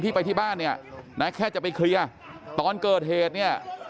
ไปที่บ้านเนี่ยนะแค่จะไปเคลียร์ตอนเกิดเหตุเนี่ย